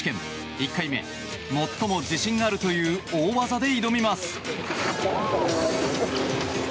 １回目、最も自信があるという大技で挑みます。